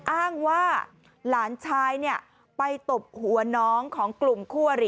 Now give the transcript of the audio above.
อ้างว่าหลานชายไปตบหัวน้องของกลุ่มคู่อริ